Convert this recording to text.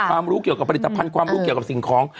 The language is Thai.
รู้เกี่ยวกับผลิตภัณฑ์ความรู้เกี่ยวกับสิ่งของ